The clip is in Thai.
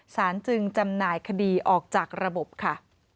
สารจึงจำหน่ายคดีออกจากระบบค่ะ